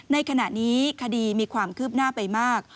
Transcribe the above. ในขณะนี้คดีมีความคืบหน้าไปมาก